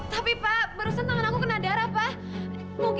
tapi pak barusan tangan aku kena darah pak